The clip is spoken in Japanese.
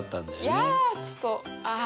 いやちょっとあ。